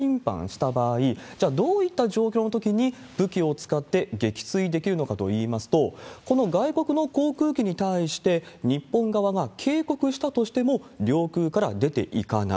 これまで日本では、外国の航空機が領空侵犯した場合、じゃあ、どういった状況のときに武器を使って撃墜できるのかといいますと、この外国の航空機に対して、日本側が警告したとしても領空から出ていかない。